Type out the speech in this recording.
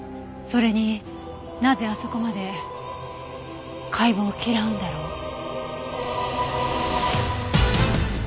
それになぜあそこまで解剖を嫌うんだろう？